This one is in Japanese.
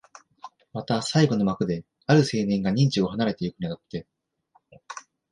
また最後の幕で、ある青年が任地を離れてゆくに当たって、